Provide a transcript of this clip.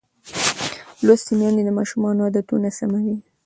لوستې میندې د ماشوم عادتونه سموي.